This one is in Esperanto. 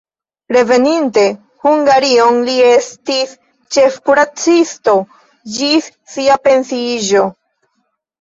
Reveninte Hungarion li estis ĉefkuracisto ĝis sia pensiiĝo.